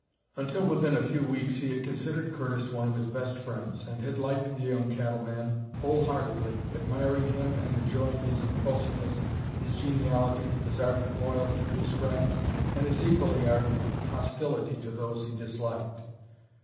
Until within a few weeks he had considered Curtis one of his best friends, had liked the young cattleman whole heartedly, admiring and enjoying his impulsiveness, his geniality, his ardent loyalty to his friends, and his equally ardent hostility to those he disliked.